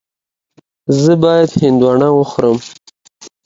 ایا زه باید هندواڼه وخورم؟